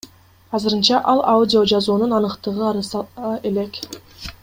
Азырынча ал аудиожазуунун аныктыгы ырастала элек.